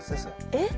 えっ？